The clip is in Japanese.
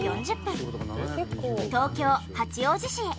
東京八王子市へ。